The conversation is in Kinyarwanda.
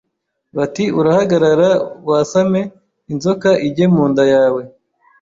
bati urahagarara wasame inzoka ijye mu nda yawe